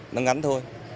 nó ngắn thôi